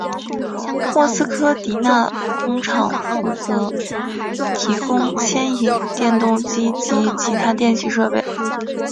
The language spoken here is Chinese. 莫斯科迪纳摩工厂负责提供牵引电动机及其他电气设备。